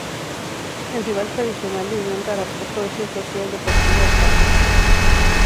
El rival tradicional de Unión Tarapoto es el Social Deportivo Cali.